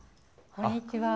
こんにちは。